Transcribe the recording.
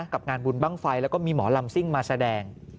กับงานบุญบ้างไฟแล้วก็มีหมอลำซิ่งมาแสดง